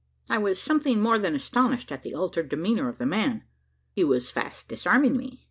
I was something more than astonished at the altered demeanour of the man. He was fast disarming me.